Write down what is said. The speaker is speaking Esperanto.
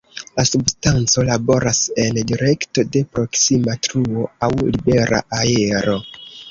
La substanco laboras en direkto de proksima truo aŭ "libera aero".